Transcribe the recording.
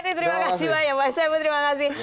wah ini terima kasih banyak pak saya pun terima kasih